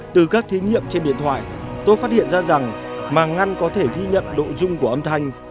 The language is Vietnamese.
từ các thí nghiệm trên điện thoại tôi phát hiện ra rằng màng ngăn có thể ghi nhận độ dung của âm thanh